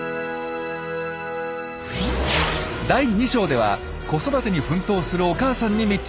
第２章では子育てに奮闘するお母さんに密着。